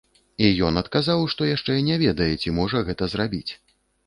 І ён адказаў, што яшчэ не ведае, ці можа гэта зрабіць.